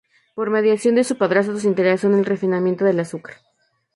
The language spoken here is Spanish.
Por mediación de su padrastro, se interesó en el refinamiento del azúcar.